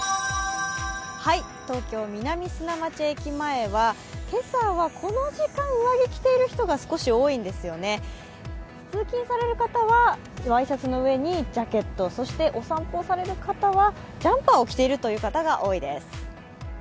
東京・南砂町駅前は今朝はこの時間、上着を着ている人が少し多いんですよね、通勤される方はワイシャツの上にジャケット、そしてお散歩をされる方はジャンパーを着ているという方が多いです。